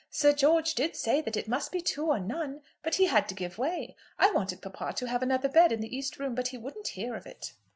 Sir George did say that it must be two or none, but he had to give way. I wanted papa to have another bed in the east room, but he wouldn't hear of it."